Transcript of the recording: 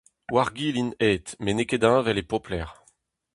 War-gil int aet met n'eo ket heñvel e pep lec'h.